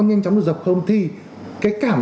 nhanh chóng được dập không thì cái cảm